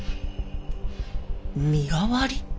身代わり？